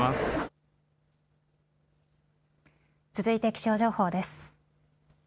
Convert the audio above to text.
続いて気象情報です。